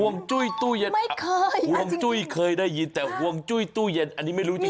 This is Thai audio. วงจุ้ยตู้เย็นห่วงจุ้ยเคยได้ยินแต่ห่วงจุ้ยตู้เย็นอันนี้ไม่รู้จริง